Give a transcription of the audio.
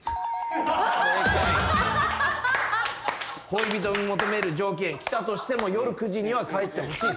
恋人に求める条件来たとしても夜９時には帰ってほしい。